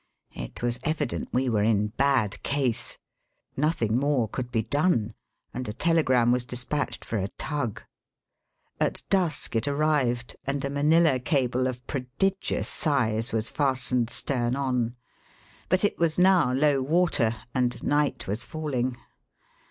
It was evident we were in bad case. Nothing more could be done, and a telegram was despatched for a tug. At dusk it arrived, and a Manilla cable of prodigious size was fastened stem on ; but it was now low water, and night was falling.